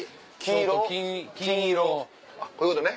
こういうことね。